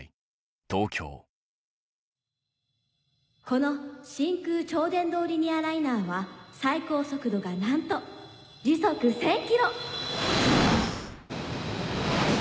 この真空超電導リニアライナーは最高速度がなんと時速１０００キロ！